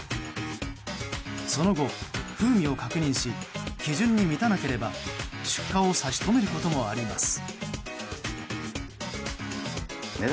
その後、風味を確認し基準に満たなければ出荷を差し止めることもあります。